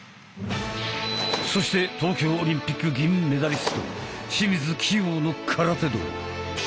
そして東京オリンピック銀メダリスト清水希容の空手道。